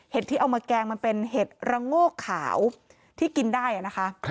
ที่เอามาแกงมันเป็นเห็ดระโงกขาวที่กินได้นะคะ